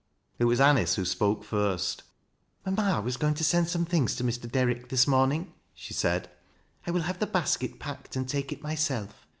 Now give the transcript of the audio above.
It was Anice who spoke first. " Mamma was going to send some things to Mr. Dei ricli this morning," she said. " I will have the basket packed and take it myself.